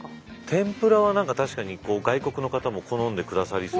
天ぷらは確かに外国の方も好んでくださりそうな。